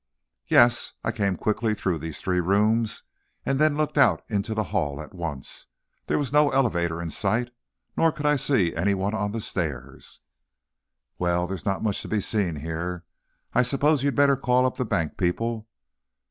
"Yes; I came quickly through these three rooms, and then looked out into the hall at once, and there was no elevator in sight nor could I see anyone on the stairs." "Well, there's not much to be seen here. I suppose you'd better call up the bank people.